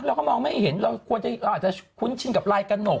เราก็มองไม่เห็นเราควรจะคุ้นชินกับลายกระหนก